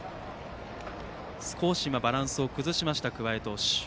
少しバランスを崩しました桑江投手。